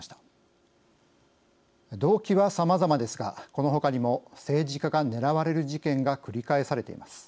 動機はさまざまですがこのほかにも政治家が狙われる事件が繰り返されています。